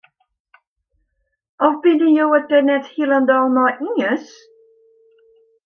Of binne jo it dêr net hielendal mei iens?